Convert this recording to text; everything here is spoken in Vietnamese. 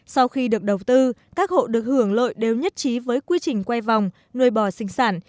sau khi được đầu tư các hộ được hưởng lợi đều nhất trí với quy trình quay vòng nuôi bò sinh sản